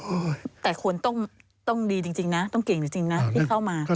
แต่คนต้องดีจริงนะต้องเก่งจริงนะที่เข้ามา